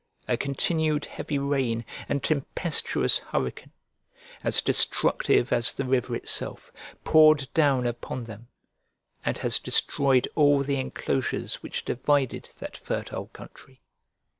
A continued heavy rain and tempestuous hurricane, as destructive as the river itself, poured down upon them, and has destroyed all the enclosures which divided that fertile country.